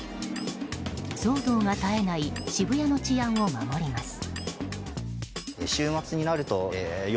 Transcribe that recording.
騒動が絶えない渋谷の治安を守ります。